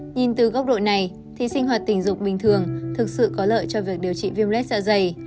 nhìn từ góc độ này thì sinh hoạt tình dục bình thường thực sự có lợi cho việc điều trị viêm lết dạ dày